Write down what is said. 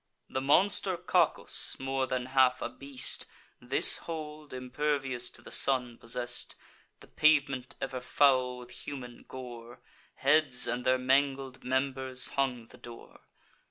The monster Cacus, more than half a beast, This hold, impervious to the sun, possess'd. The pavement ever foul with human gore; Heads, and their mangled members, hung the door.